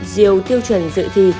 diều tiêu chuẩn dự thi